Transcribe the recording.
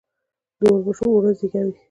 د اوربشو اوړه زیږه وي.